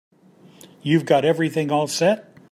You've got everything all set?